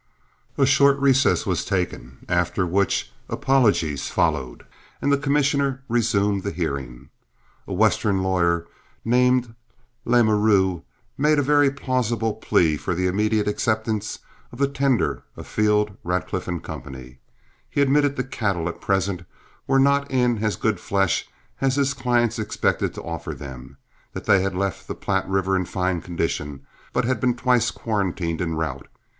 A short recess was taken, after which apologies followed, and the commissioner resumed the hearing. A Western lawyer, named Lemeraux, made a very plausible plea for the immediate acceptance of the tender of Field, Radcliff & Co. He admitted that the cattle, at present, were not in as good flesh as his clients expected to offer them; that they had left the Platte River in fine condition, but had been twice quarantined en route.